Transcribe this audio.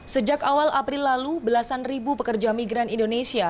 sejak awal april lalu belasan ribu pekerja migran indonesia